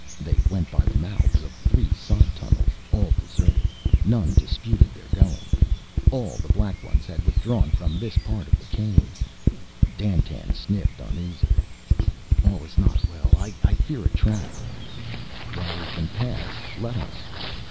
They went by the mouths of three side tunnels, all deserted. None disputed their going. All the Black Ones had withdrawn from this part of the Caves. Dandtan sniffed uneasily. "All is not well. I fear a trap." "While we can pass, let us."